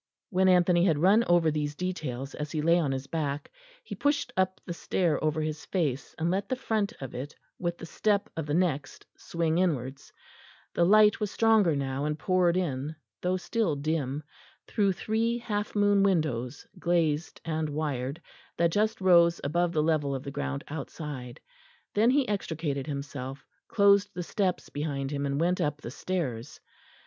When Anthony had run over these details as he lay on his back, he pushed up the stair over his face and let the front of it with the step of the next swing inwards; the light was stronger now, and poured in, though still dim, through three half moon windows, glazed and wired, that just rose above the level of the ground outside. Then he extricated himself, closed the steps behind him, and went up the stairs.